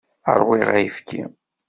Ṛwiɣ ayefki.